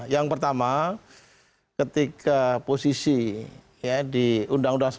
yang pertama ketika posisi di undang undang sepuluh dua ribu enam belas